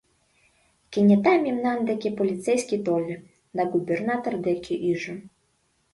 Кенета мемнан деке полицейский тольо да губернатор деке ӱжӧ.